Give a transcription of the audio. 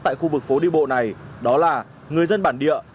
tại khu vực phố đi bộ này đó là người dân bản địa